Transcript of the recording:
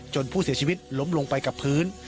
ผู้เสียชีวิตล้มลงไปกับพื้น